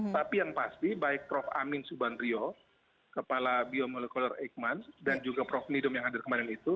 tapi yang pasti baik prof amin subandrio kepala biomolekuler eikman dan juga prof nidom yang hadir kemarin itu